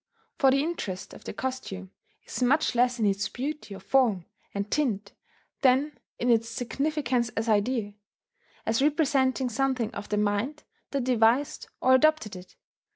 For the interest of the costume is much less in its beauty of form and tint than in its significance as idea, as representing something of the mind that devised or adopted it.